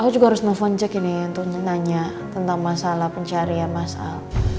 saya juga harus nelfon check ini untuk nanya tentang masalah pencarian mas al